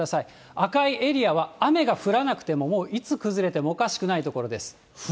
赤いエリアは雨が降らなくても、もういつ崩れてもおかしくない所です。